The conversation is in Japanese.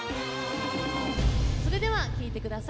それでは聴いて下さい。